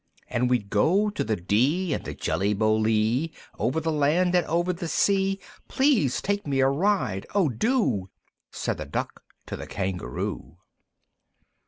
And we'd go to the Dee, and the Jelly Bo Lee, Over the land, and over the sea; Please take me a ride! O do!" Said the Duck to the Kangaroo.